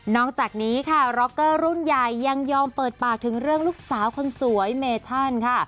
อกจากนี้ค่ะร็อกเกอร์รุ่นใหญ่ยังยอมเปิดปากถึงเรื่องลูกสาวคนสวยเมชั่นค่ะ